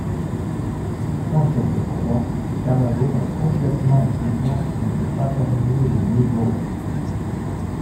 Sans cette croix, Tamagon est complètement impuissant et ne peut pas terminer le niveau.